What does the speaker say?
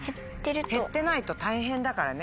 減ってないと大変だからね